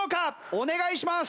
お願いします！